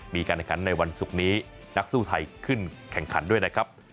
มีการแข่งขันในวันศุกร์นี้นักสู้ไทยขึ้นแข่งขันด้วยนะครับ